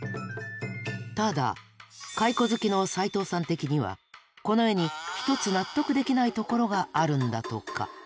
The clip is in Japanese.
ただ蚕好きの齊藤さん的にはこの絵に一つ納得できないところがあるんだとか。